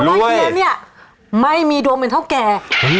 เฮียเนี่ยไม่มีดวงเป็นเท่าแก่